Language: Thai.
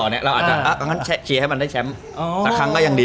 เราอาจจะเชียร์ให้มันได้แชมป์